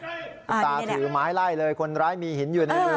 คุณตาถือไม้ไล่เลยคนร้ายมีหินอยู่ในรู